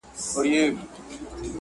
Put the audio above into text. منصور دا ځلي د دې کلي ملا کړو,